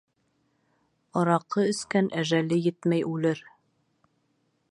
Араҡы эскән әжәле етмәй үлер.